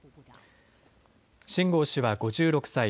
秦剛氏は５６歳。